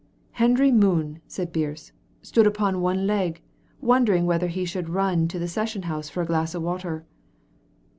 "Hendry Munn," said Birse, "stood upon one leg, wondering whether he should run to the session house for a glass of water."